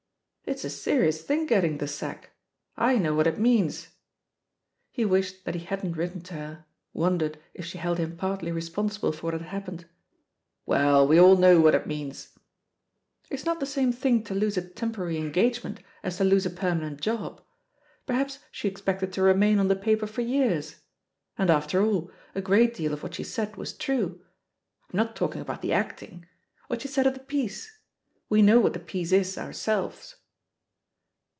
"It's a serious thing getting the sack ; I know what it means." He wished that he hadn't writ ten to her^ wcxidered if she held him partly re sponsible for what had happened. "Well, we all know what it means I" "It's not the same thing to lose a temporary engagement as to lose a permanent job. Per THE POSITION OP PEGGY HARPER 171 haps she expected to remain on tEe paper fat years. •:•• And, after all, a great deal of what she said was true ; I'm not talking about the actr ing — ^what she said of the piece* We know what the piece is, ourselves."